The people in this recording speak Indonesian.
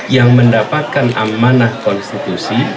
yang mendapatkan amanah konstitusi